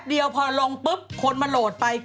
แปปเดียวลงคนมาโหลดไป